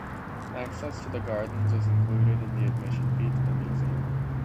Access to the gardens is included in the admission fee to the museum.